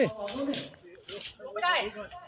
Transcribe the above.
รู้ไม่ได้